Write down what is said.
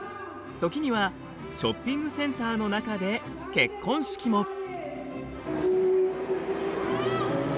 時にはショッピングセンターの中で結婚式も！